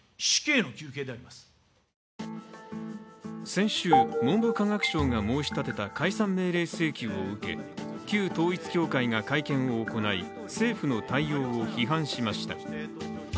先週、文部科学省が申し立てた解散命令請求を受け旧統一教会が会見を行い政府の対応を批判しました。